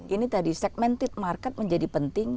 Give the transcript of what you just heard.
ini tadi segmented market menjadi penting